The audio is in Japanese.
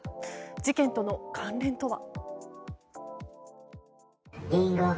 事件との関連とは。